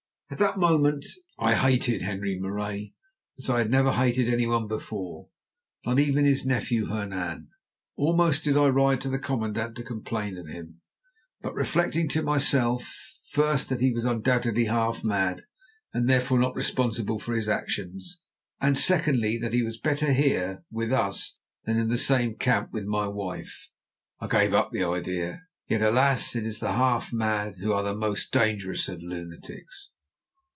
At that moment I hated Henri Marais as I had never hated anyone before, not even his nephew Hernan. Almost did I ride to the commandant to complain of him, but reflecting to myself, first that he was undoubtedly half mad, and therefore not responsible for his actions, and secondly that he was better here with us than in the same camp with my wife, I gave up the idea. Yet alas! it is the half mad who are the most dangerous of lunatics.